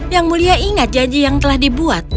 yang mulia ingat janji yang telah dibuat